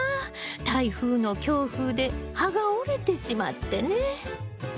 台風の強風で葉が折れてしまってね。